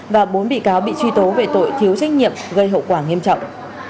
và bốn bị cáo bị truy tố về tội thiếu trách nhiệm gây hậu quả nghiêm trọng